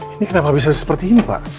ini kenapa bisa seperti ini pak